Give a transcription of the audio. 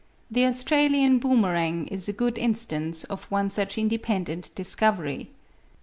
The Australian boomerang is a good instance of one such independent discovery.